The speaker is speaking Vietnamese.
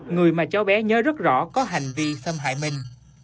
người mà cháu bé nhớ rất rõ có hành vi xâm hại mình